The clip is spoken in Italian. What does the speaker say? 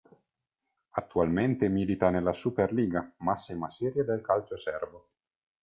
Attualmente milita nella SuperLiga, massima serie del calcio serbo.